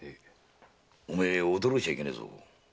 おめえ驚いちゃいけねえぞ。